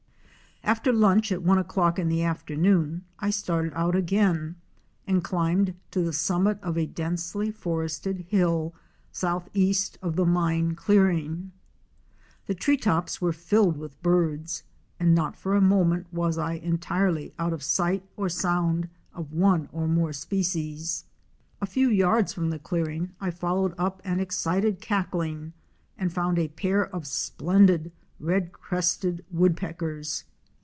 After lunch at one o'clock in the afternoon, I started out again and climbed to the summit of a densely forested hill, southeast of the mine clearing. The tree tops were filled with birds and not for a moment was I entirely out of sight or sound of one or more species. A few yards from the clear ing I followed up an excited cackling and found a pair of splendid Red crested Woodpeckers.